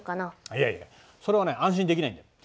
いやいやそれはね安心できないんだ。